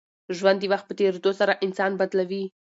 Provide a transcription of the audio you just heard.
ژوند د وخت په تېرېدو سره انسان بدلوي.